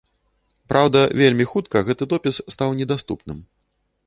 Праўда, вельмі хутка гэты допіс стаў недаступным.